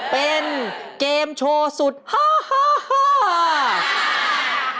เป็นเกมโชว์สุดฮ่าฮ่า